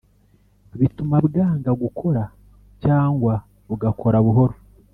bituma bwanga gukora cyangwa bugakora buhoro